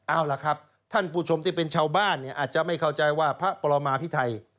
เอาล่ะครับท่านผู้ชมที่เป็นชาวบ้านเนี่ยอาจจะไม่เข้าใจว่าพระปรมาพิไทย